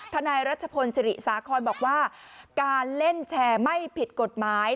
นายรัชพลศิริสาคอนบอกว่าการเล่นแชร์ไม่ผิดกฎหมาย